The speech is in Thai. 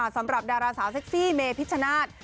สำหรับดาราสาวเซ็กซี่เมพิชชนาธิ์